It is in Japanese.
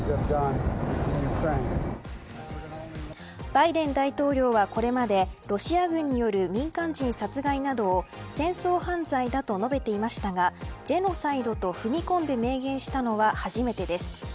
バイデン大統領は、これまでロシア軍による民間人殺害などを戦争犯罪だと述べていましたがジェノサイドと踏み込んで明言したのは初めてです。